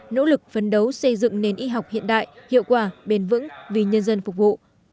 nỗ lực phấn đấu xây dựng nền y học hiện đại hiệu quả bền vững vì nhân dân phục vụ